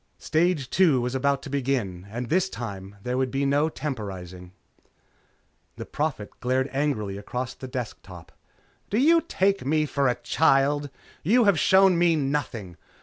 Stage two was about to begin, and this time there would be no temporizing. The Prophet glared angrily across the desk top. "Do you take me for a child? You have shown me nothing.